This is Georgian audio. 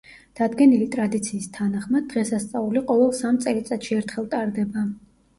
დადგენილი ტრადიციის თანახმად, დღესასწაული ყოველ სამ წელიწადში ერთხელ ტარდება.